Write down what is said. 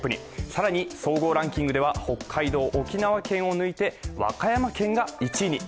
更に総合ランキングでは北海道、沖縄県を抜いて和歌山県が１位に。